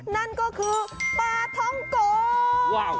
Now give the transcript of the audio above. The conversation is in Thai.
นั่นก็คือปลาท้องโก